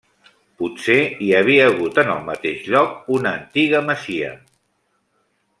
Potser hi havia hagut en el mateix lloc una antiga masia.